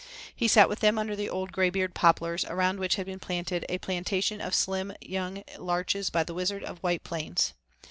He sat with them under the old graybeard poplars around which had been planted a plantation of slim young larches by the wizard of White Plains.